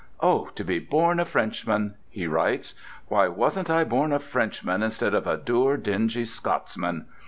"Oh, to be born a Frenchman!" he writes. "Why wasn't I born a Frenchman instead of a dour, dingy Scotsman?